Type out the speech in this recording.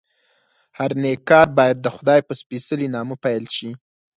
هر نېک کار باید دخدای په سپېڅلي نامه پیل شي.